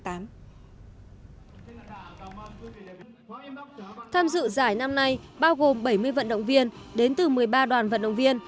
tham dự giải năm nay bao gồm bảy mươi vận động viên đến từ một mươi ba đoàn vận động viên